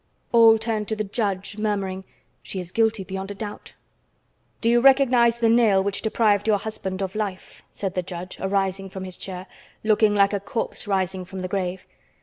All turned to the judge, murmuring: "She is guilty beyond a doubt." "Do you recognize the nail which deprived your husband of life?" said the judge, arising from his chair, looking like a corpse rising from the grave.